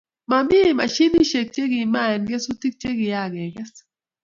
mamii mashinisiek che kimaen kesutik chi kiakekes